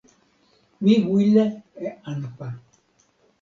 mi wile e anpa.